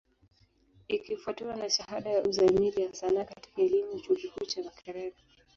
Ikifwatiwa na shahada ya Uzamili ya Sanaa katika elimu, chuo kikuu cha Makerere.